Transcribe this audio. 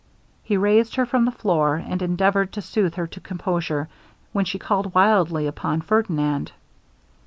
He raised her from the floor, and endeavoured to soothe her to composure, when she called wildly upon Ferdinand.